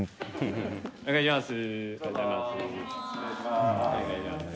お願いします。